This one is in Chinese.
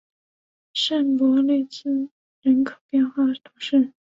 圣博利兹人口变化图示